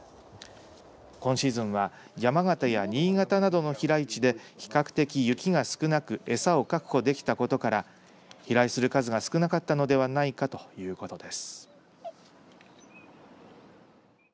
今シーズンは山形や新潟などの飛来地で比較的雪が少なく餌を確保できたことから飛来する数が少なかったのではないかということです。